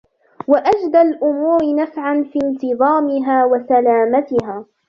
وَأَجْدَى الْأُمُورَ نَفْعًا فِي انْتِظَامِهَا وَسَلَامَتِهَا